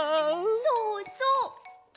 そうそう！